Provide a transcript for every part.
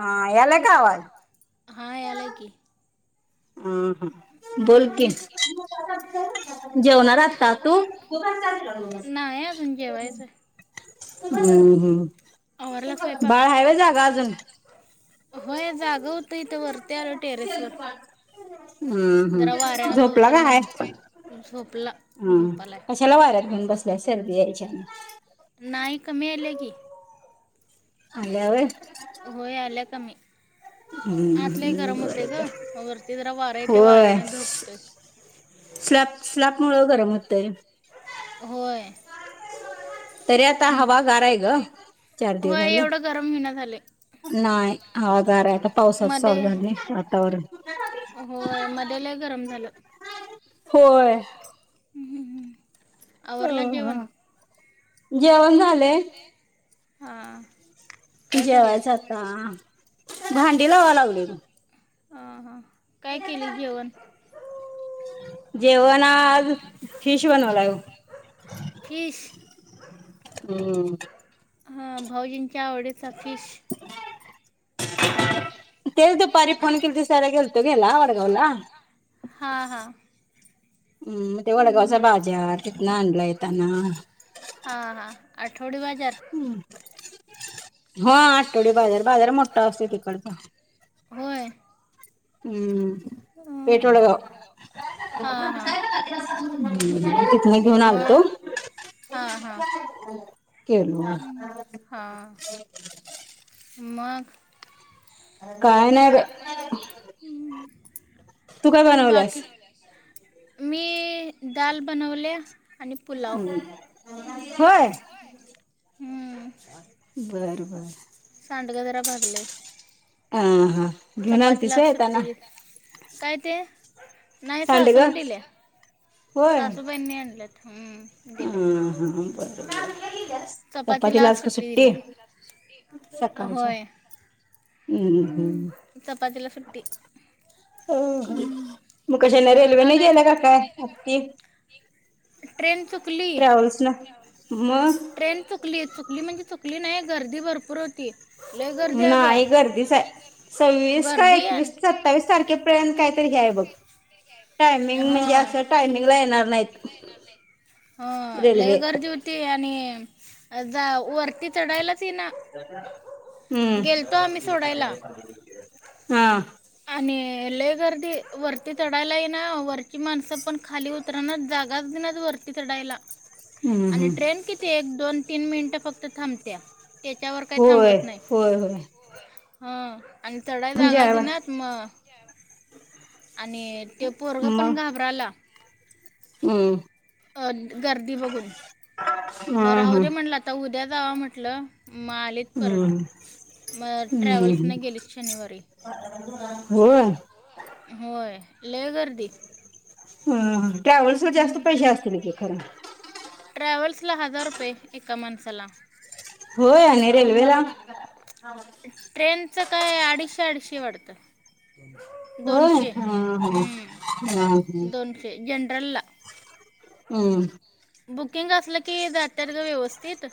हां यालाय काय आवाज? हा यालाय की हम्म हम्म बोल की. जेवलीस जेवणार आत्ता तू? नाही जेवायचं आहे. हम्म हम्म स्वयंपाक बाळ हाय वय जागं अजून? होय जागं होतं इथं वरती आलो टेरेस वर. हम्म हम्म झोपला काय हाय? म्हणून झोपला हम झोपालाय कशाला वाऱ्यात घेऊन बसल्या. सर्दी यायची आणि नाही कमी आल्या की आल्या होय. होय आल्या कमी. आत लय गरम होतंय ग. वरती जरा वारं येतय होय वाऱ्याने झोपतोय. स्लॅप स्लॅप मुळ गरम होतय. होय. तर आत्ता हवा गार हाय ग. चार दिवस होय झाल. एवढं गरम होईना झाले नाही. हवा गार हाय. आता पावसाचं मध्ये चालू झालंय वातावरण. होय मध्ये लय गरम झालं. होय. अ आवरलं जेवण. ह जेवण झालेय. हा जेवायचं आता. भांडी लावायला लागलोय. हां हां काय केली जेवण. जेवण आज फिश बनवलाय बघ. फिश. हम्म हा भाऊजीनच्या आवडीचा फिश. तेच दुपारी फोन केलतीस साड्या गेलतो घ्यायला वडगावला. हा हा हम्म म ते वडगावचा बाजार तिथंन आणला येताना. हा हा आठवडी बाजार. हा आठवडी बाजार. बाजार मोठा असतो तिकडचा. होय हम्म हं. पेठ वडगाव. हां हां हम्म तिथंन घेऊन आलतो. मग हां हां केलो मग. हं. हां मग काय नाय बाई तू काय बाकी बनवलेस? मी दाल बनवल आणि पुलाव होय. हं. बरं बरं सांडग जरा भाजलय हह हा घेऊन आलतीस होय सुट्टी येताना? दे काय ते नाही सांडग सासून दिल्या सासूबाईनी आणल्यात हम्म ह हा ब चपातीला आज काय सुट्टी? सकाळच्या होय हम्म हम्म चपातीला सुट्टी. हो मग कशाने रेल्वे नाही गेलं का काय आत्ती. ट्रेन च ट्रॅव्हल्सन मग ट्रेन चुकली चुकली म्हणजे चुकली नाही गर्दी भरपूर होती. लय गर्दी आहे ग नाही गर्दीच हाय सव्वीस का गर्दी आणि एकवीस सत्तावीस तारखे पर्यंत काहीतरी हे हाय बघ टायमिंग म्हणजे हां असं टायमिंग ला येणार नाहीत. हो लय रेल्वे गर्दी होती आणि जा वर हम्म गेलतो आम्ही सोडायला हा. ते लय गर्दी वरती चडायला येईन ना वरची माणसं पण खाली उतरणार जागाच दिना च वरती ला हम्म आणि हम्म ट्रेन किती एक दोन तीन मिनिट फक्त थांबतिया. होय होय होय. हा आणि चढाय म्हणजे जागा आवड दिनात. मग आणि ते पोरग मग पण घाबराला. हम्म. अ गर्दी बघून मग हा राहु हा दे म्हटलं आता उद्या जावा म्हटलं मग आलीत परत. हम्म मग हम्म ट्रॅव्हल्सने गेली शनिवारी व्हय होय लय गर्दी. ह ट्रॅव्हल्स वर जास्त हम्म. पैसे असतील की खरं. ट्रॅव्हल्स ला हजार रुपये एका माणसाला. होय आणि रेल्वेला. रेल्वे चं काय अडीचशे अडीचशे वाटतं. व्हय दोनशे हम् हम्म, हम हम् दोनशे हम. जनरलला हम्म. बुकिंग असलं की जात्यात ग व्यवस्थित..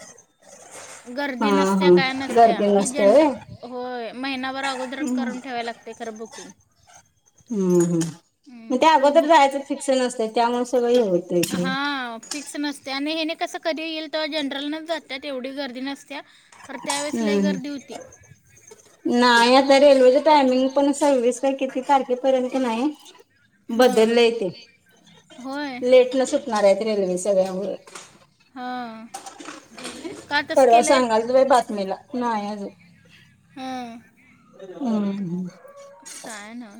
गर्दी हां नसत्या हां काय नसत्या गर्दी हे नसते होय जनरल हो महिनाभर अगोदर करून ठेवाय. लागते खरं बुकिंग. हम्म हम्. हम्म, त्या हे अगोदर बुक जायचं फिक्स नसतय त्यामुळे सगळ हे होत‌य ते. हां फिक्स नसते आणि हे कसं कधी येईल तवा जनरल न जात्यात एवढी गर्दी नसतिया. हम् नाही आता रेल्वेच टायमिंग पण सव्वीस किती तारखेपर्यंत नाही. हां बदललेय ते होय लेट न सुटणार आहेत रेल्वे सगळ्या व्हय. हां. का तसं परवा केलंय सांगालत बाई बातमीला नाही अजून. हां हम ह. काय ना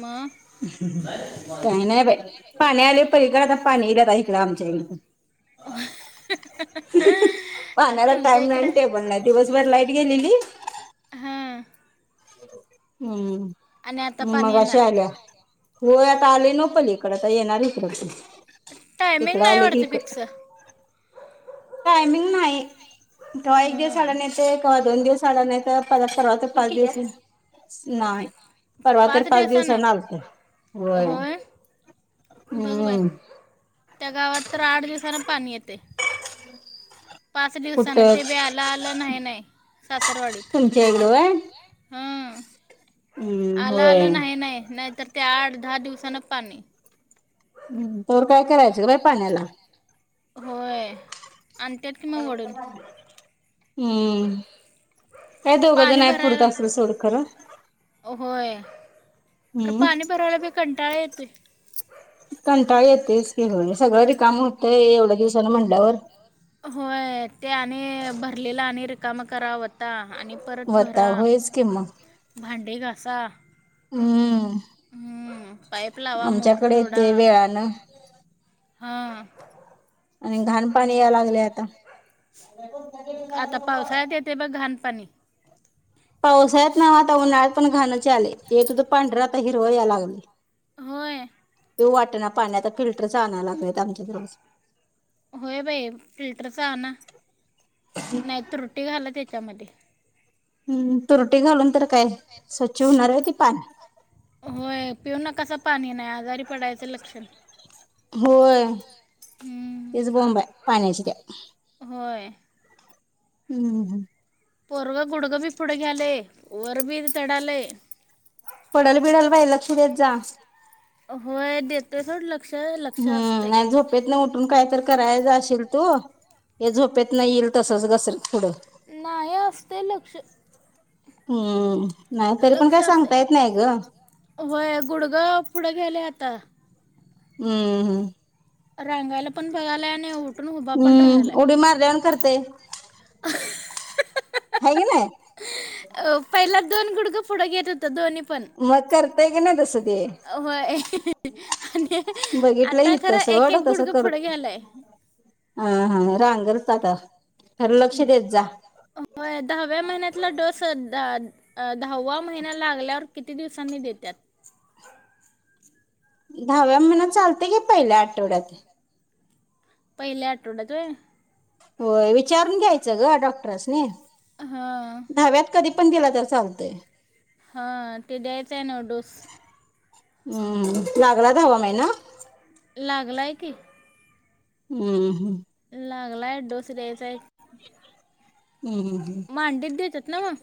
मग हम हम काय नाही बाई पाणी आले पलीकडं आता पाणी इल इकडे आमच्या इकड. पाण्याला तुमच्या टाइम नाही इकडं टेबल नाही दिवसभर लाईट गेलेली. हां आणि आता हम्म पाणी मगाशी येणार आलिया व्हय आता आली नव्ह पली इकड तर येणार इकडे ते टायमिंग तिकड नाही आले की वाटतं इक फिक्स टायमिंग नाही कव्हा एक हा दिवस आडान येतय कवा दोन दिवस आडना येतय परवा तर पाच दिवस नाही. परवा तर पाच दिवसना आलंत. होय बघ बाई त्या गावात तर आठ दिवसांन पाणी येतय. पाच दिवसान कुठं ते बी आलं आलं नाही नाही. तुमच्या इकडं व्हय. हम् हम्म आलं आलं होय नाही नाही नाहीतर त्या आठ दहा दिवसानं पानी तर काय करायचं ग बाई पाण्याला? होय आणि त्यात कि म वडून हम्म काय दोघं जण पाणी हायत पुरत भरायला असलं सोड खरं. होय खरं हम्म पाणी भरायला बी कंटाळा येतोय. कंटाळा येते च व्हय कि सगळ रिकाम होतंय एवढ्या दिवसान म्हंटल्यावर होय ते आणि भरलेला आणि रिकामं करा वता. आणि परत होता भरा होयच कि भांडे घासा. हम्. हम्म पाइप लावा मोटर दोडा येते वेळानं हां. आणि घाण पाणी या लागले आता. आता पावसाळ्यात येते बघ घाणपाणी पावसाळ्यात ना आता उन्हाळत पण घाणं आले येतो तर पांढर आता हिरवा या लागले. होय. पिऊ वाटेना पाणी आता फिल्टर चा आणायला लागलेत आमच्या दिज होय बाई फिल्टरचा आण ना नाही तर रुटी घाला त्या त्या मध्ये हम्म तुरटी घालून तर काय स्वच्छ होणार आहेत ते पाणी. होय पिऊ नकासा पाणी नाही आजारी पडायचं लक्षण. होय हम्म. तच बोंब आहे पाण्याशऱ्या होय हम्म हम्म. पोरव गुडगं बी पुढे घ्यालेय वर बी चडाले. पडल बिडल बाई लक्ष देत जा. होय देेते ला. हम्म नाही झोपेत ना उठून काय. करायला जाशिल तू हे झोपेतणं येईल तसच घसरत पुढं. नाही असते लक्ष. हम्म. नाही तरी पण लक्ष काय असे सांगता येत नाही ग होय गुडगाव पुढे गेले आता. हम्म हम्म. रांगायला. पण बघालाय आणि उठून उभा पण राहिलाय. हम्म उडी मारल्यावाणी करतय हाय गि नाय. अ पहिला दोन गुडघा पुढं घेत होत दोन्ही. पण मग कर ते की नाय तस. होय. आणि बघितलं आता हित खरं एक सोड एक तसं गुडगं पुढे करत घ्यालाय. हा हा रांगेत होता का होय दहाव्या महिन्यातला डोस द अ दहावा महिन लागल्यावर किती दिवसांनी देतात. दहाव्या महिन चालत की पहिल्या आठवड्यात. पहिल्या आठवड्यात आहे. हो. विचारून घ्यायचं ग डॉक्टरसनी हां दहाव्यात कधी पण दिला तर चालतय. हा ते दयायचं आहे ना डोस. हम्म लागला दहावा महिना. लागलाय की. हम्म हम्म. लागलाय डोस द्यायचा आहे. हम्म हम्म मांडीत देतात ना मांग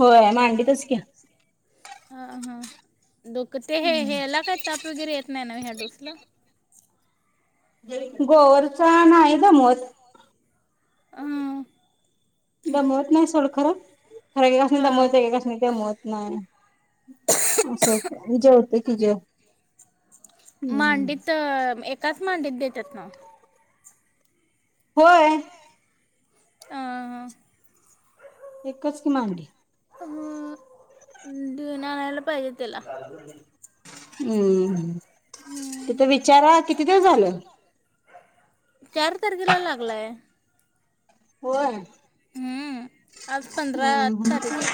होय मांडीतच की. हा हा दोक ते हे हेला काय ताप वगैरे येत नाही ना ह्या डोसला. गोरचा आहे जमत. ह. दमवत नाही सोडं खरं खरं एककाच नाही दमवत हां एककाच नाही तेमवत. नाही असं जेवत की जेव. हम्म मांडीत एकाच मांडीत देतात ना. होय! आ! एकच की मांगडी. [inaudible] हम्म! हम्म. तिथं विचारा किती दिवस झालं? चार तारखेला लागलाय. होय! हम्म आज पंधरा हम्म! हम्! तारीख आहे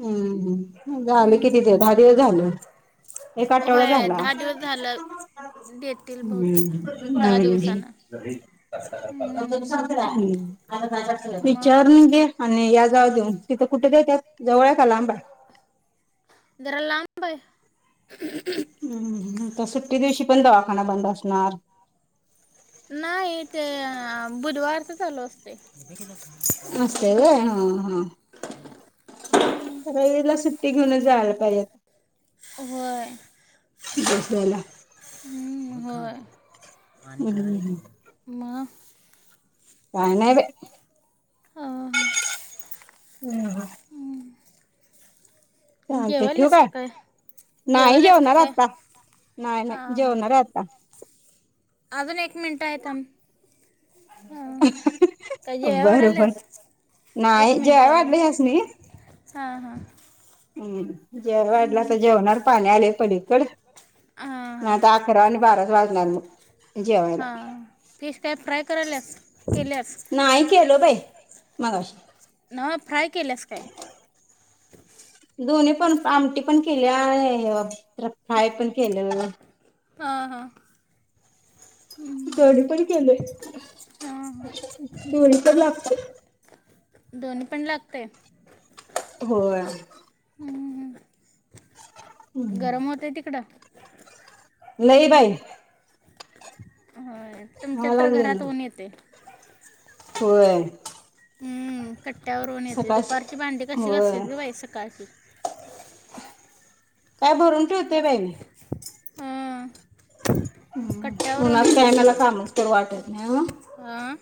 हम्म! हम्म! झाल कितीच दहा दिवस झाल. एक आठवडा होय झाला. दहा दिवस झालं देतील हम्म! बहुतेक दहा हम्! दिवसानं हम्म मग विचारून घे? आणि या जावा देऊन तिथं कुठे देत्यात जवळ आहे का लांब आहे? जरा लांब आहे. हम्म! तर सुट्टी दिवशी पण दवाखाना बंद असणार? नाही ते बुधवारच चालू असते. असतय व्हय हा हा. [inaudible] ते घेऊन च जायला पाहिजे. व्हय. डोस घ्यायला. होय. हम्म मग काय नाय बाय. अं, बाई चालते ठेऊ जेवायलास काय. का नाही जेवायलास का जेवणार काय आत्ता. नाही नाही हां हां जेवणार आता. अजून एक मिनटं आहे थांब. हां. काय जेवाय बर बर. वाढायलास नाही एक जेवायला मिनटं आहे वाढल गं. ह्यसनी. हां! हां! हम्! जेवायला वाढल हम्म, असं जेवणार पाणी आलयं पलीकड. हां नाही आता अकरा आणि बाराच वाजणार मग. जेवायला हा फिश काय फ्राय करायल्यास केल्यास? नाही केलो बई. मगाशी [unintelligible] नव्ह फ्राय केल्यास काय? दोन्ही पण आमटी पण केल्याय प्र फ्राय पण केलेल. ह ह. कढी पण केलोय हां हां दोन्ही पण लागते. [unintelligible] दोन्ही पण लागतय? होय. हम्म. [inaudible] गरम होतय तिकडं? लय बाई. हो तुमच्या व्हाय तर लागले घरात ना ऊन येते. होय. कट्यावर ऊन येतंय त सकाळच दुपरची, भांडी कशी होय घासतेस बाई सकाळची. काय भरून ठेवतेय बाई मी. ह. अ [unintelligible] हम्म. उन्हाच काय मला कामच करू वाटत नाही. हां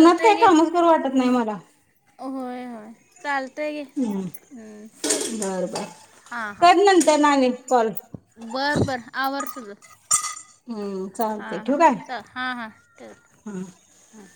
उन्हात काही गे कामच करू वाटत नाही मला. होय होय चालत. हम्म. [unintelligible] बर बर हां कर नंतर नाणि कॉल. बर बर आवर तुझं. हम्म हा चालते हा ठेवू काय च हा हा ठेवते हां ह.